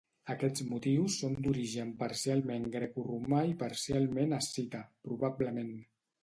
Aquests motius són d'origen parcialment grecoromà i parcialment escita, probablement.